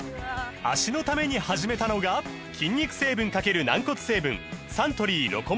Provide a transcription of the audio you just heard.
脚のために始めたのが筋肉成分×軟骨成分サントリー「ロコモア」です